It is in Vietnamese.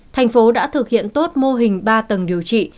thành phố đã thực hiện tốt mô hình ba tầng điều trị